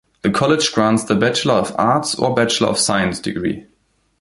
The college grants the Bachelor of Arts or Bachelor of Science degree.